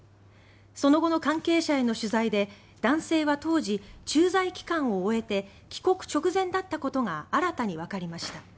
その後の関係者への取材で男性は当時駐在期間を終えて帰国直前だったことが新たにわかりました。